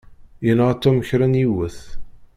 Yenɣa Tom kra n yiwet.